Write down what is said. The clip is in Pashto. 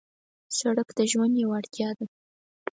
سړک د ژوند یو اړتیا ده.